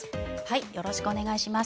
よろしくお願いします。